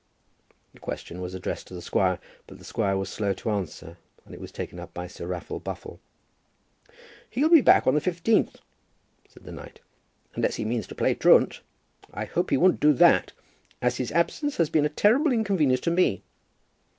The question was addressed to the squire, but the squire was slow to answer, and it was taken up by Sir Raffle Buffle. "He'll be back on the 15th," said the knight, "unless he means to play truant. I hope he won't do that, as his absence has been a terrible inconvenience to me."